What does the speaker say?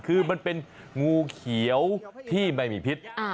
คือมันเป็นงูเขียวที่ไม่มีพิษ